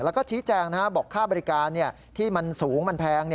แล้วก็ชี้แจงบอกค่าบริการที่มันสูงมันแพง